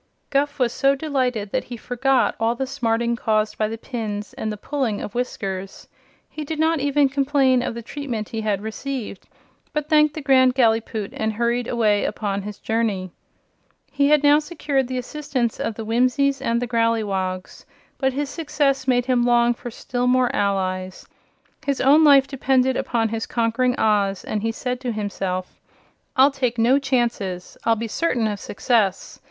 Guph was so delighted that he forgot all the smarting caused by the pins and the pulling of whiskers. He did not even complain of the treatment he had received, but thanked the Grand Gallipoot and hurried away upon his journey. He had now secured the assistance of the Whimsies and the Growleywogs; but his success made him long for still more allies. His own life depended upon his conquering Oz, and he said to himself: "I'll take no chances. I'll be certain of success.